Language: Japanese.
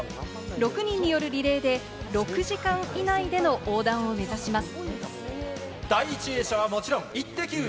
６人によるリレーで６時間以内での横断を目指します。